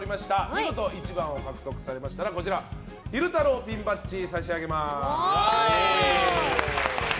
見事１番を獲得されましたらこちら、昼太郎ピンバッジを差し上げます。